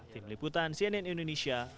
tim liputan cnn indonesia